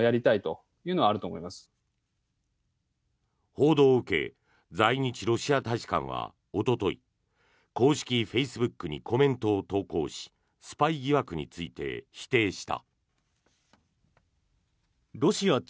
報道を受け在日ロシア大使館はおととい公式フェイスブックにコメントを投稿しスパイ疑惑について否定した。